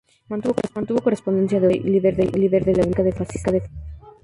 Mantuvo correspondencia con Oswald Mosley, líder de la Unión Británica de Fascistas.